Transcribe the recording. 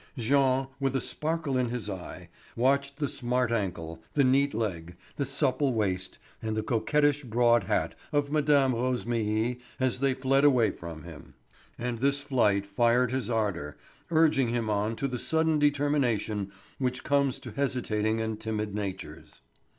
Jean, with a sparkle in his eye, watched the smart ankle, the neat leg, the supple waist, and the coquettish broad hat of Mme. Rosémilly as they fled away from him. And this flight fired his ardour, urging him on to the sudden determination which comes to hesitating and timid natures.